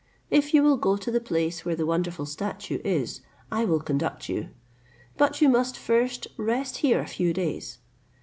If you will go to the place where the wonderful statue is, I will conduct you; but you must first rest here a few days.